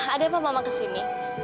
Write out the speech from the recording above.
ada apa mama kesini